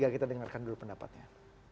kita dengarkan dulu pendapatnya